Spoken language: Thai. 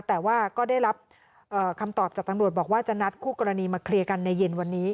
แต่ว่าก็ได้รับคำตอบจากตำรวจบอกว่าจะนัดคู่กรณีมาเคลียร์กันในเย็นวันนี้